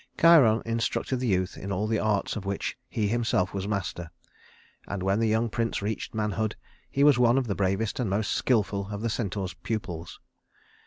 Chiron instructed the youth in all the arts of which he himself was master, and when the young prince reached manhood, he was one of the bravest and most skillful of the centaur's pupils.